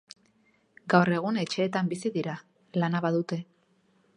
Gaur egun etxeetan bizi dira, lana badute.